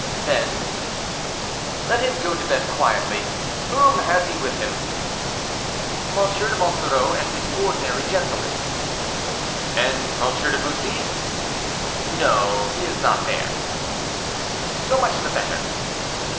"Then " "Let him go to bed quietly. Whom has he with him?" "M. de Monsoreau and his ordinary gentlemen." "And M. de Bussy?" "No; he is not there." "So much the better."